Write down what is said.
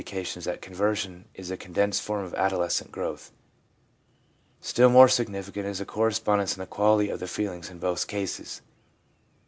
This is one among the many indications that conversion is a condensed form of adolescent growth. Still more significant is the correspondence in the quality of the feelings in both cases.